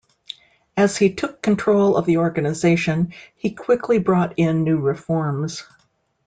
As he took control of the organization, he quickly brought in new reforms.